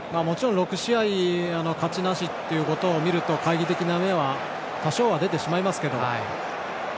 ６試合勝ちなしというのを見ると懐疑的な目は多少は出てしまいますけど。